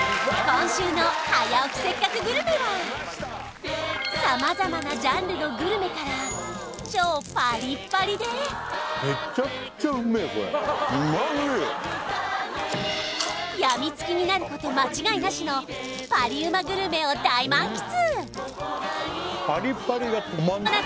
今週の「早起きせっかくグルメ！！」は様々なジャンルのグルメから超パリッパリでやみつきになること間違いなしのパリうまグルメを大満喫！